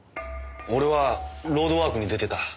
俺はロードワークに出てた。